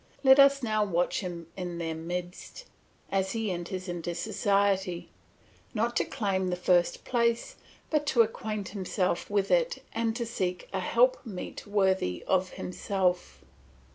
Let us now watch him in their midst, as he enters into society, not to claim the first place, but to acquaint himself with it and to seek a helpmeet worthy of himself.